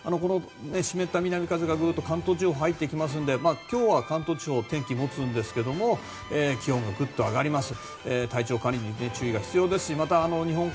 湿った南風が関東地方に入ってきますので今日は関東地方天気持つんですけれども気温がぐっと上がります。